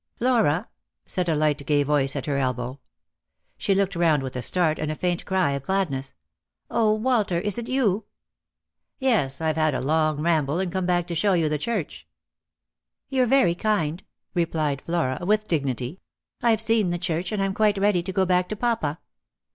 " Flora," said a light gay voice at her elbow. She looked round with a start and a faint cry of gladness. " 0, Walter, is it you ?"" Yes ; I've had a long ramble, and come back to show you the church." " You're very kind," replied Flora with dignity; "I've seen the church, and I'm quite ready to go back to papa."